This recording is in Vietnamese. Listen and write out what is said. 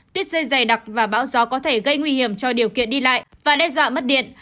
tuyết rơi dày đặc và bão gió có thể gây nguy hiểm cho điều kiện đi lại và đe dọa mất điện